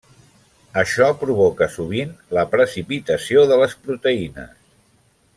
Això provoca sovint la precipitació de les proteïnes.